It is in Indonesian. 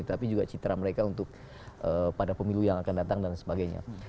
tapi juga citra mereka untuk pada pemilu yang akan datang dan sebagainya